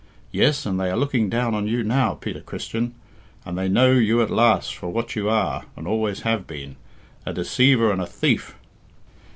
Yes, and they are looking down on you now, Peter Christian, and they know you at last for what you are and always have been a deceiver and a thief."